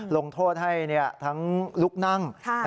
ลงโทษให้ทั้งลุกนั่ง